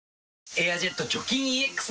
「エアジェット除菌ＥＸ」